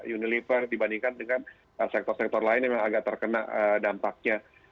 uniliver dibandingkan dengan sektor sektor lain yang agak terkena dampaknya